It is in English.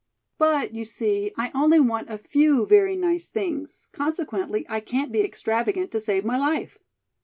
But, you see, I only want a few very nice things, consequently, I can't be extravagant to save my life."